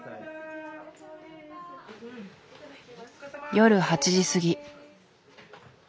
夜８時過ぎ。